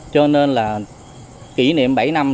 cho nên là kỷ niệm bảy năm